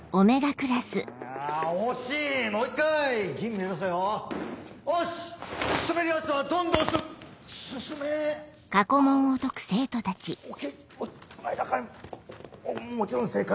もちろん正解。